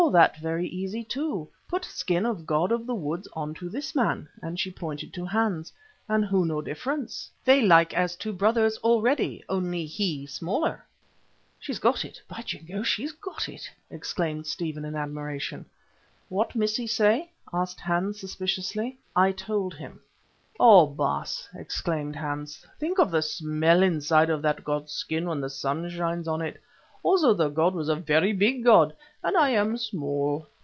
that very easy, too. Put skin of god of the woods on to this man," and she pointed to Hans, "and who know difference? They like as two brothers already, only he smaller." "She's got it! By Jingo, she's got it!" exclaimed Stephen in admiration. "What Missie say?" asked Hans, suspiciously. I told him. "Oh! Baas," exclaimed Hans, "think of the smell inside of that god's skin when the sun shines on it. Also the god was a very big god, and I am small."